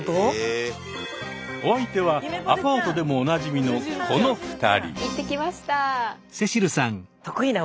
お相手はアパートでもおなじみのこの２人。